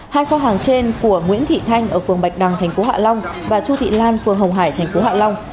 hai kho hàng trên của nguyễn thị thanh ở phường bạch đăng tp hạ long và chú thị lan phường hồng hải tp hạ long